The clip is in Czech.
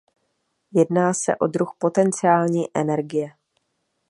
Jedná se o druh potenciální energie.